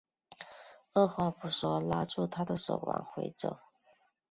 二话不说拉住她的手往回走